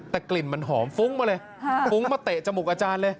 แต่กลิ่นมันหอมฟุ้งมาเลยฟุ้งมาเตะจมูกอาจารย์เลย